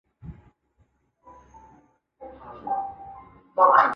魏斯瓦塞尔是德国萨克森州的一个市镇。